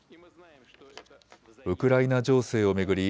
ウクライナ情勢を巡り